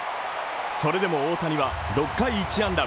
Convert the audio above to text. それでも大谷は６回１安打